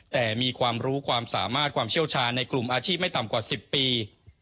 แต่มีความรู้ความสามารถความเชี่ยวชาญในกลุ่มอาชีพไม่ต่ำกว่า๑๐ปี